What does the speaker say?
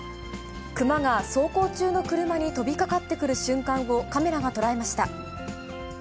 熊が走行中の車にとびかかってくる瞬間をカメラが捉えました。